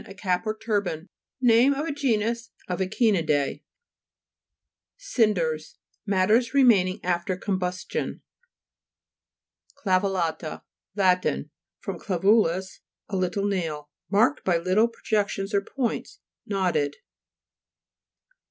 A cap or turban. Name of a genus of Echini'dese (p. 150). CINDERS Matters remaining after combustion. CLAVELLA'TA Lat. (fr. claiming, a little nail.) Marked by little pro jections or points ; knotted.